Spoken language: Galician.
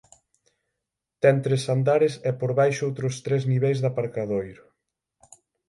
Ten tres andares e por baixo outros tres niveis de aparcadoiro.